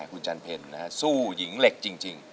คุณจันเพ็ญนะฮะสู้หญิงเหล็กจริง